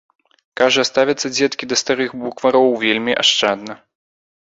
Кажа, ставяцца дзеткі да старых буквароў вельмі ашчадна.